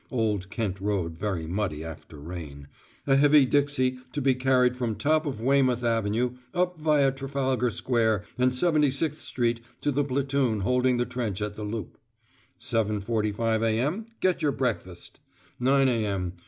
(Old Kent Road very muddy after rain. A heavy dixie to be carried from top of Weymouth Avenue, up viâ Trafalgar Square, and 76 Street to the platoon holding the trench at the Loop.) 7.45 a.m. Get your own breakfast. 9 a.m.